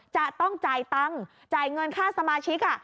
จะต้องจ่ายตังค์จ่ายเงินค่าสมาชิก